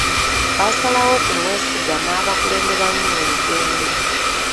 Baasalawo okumwesiga n'abakulemberamu mu lugendo.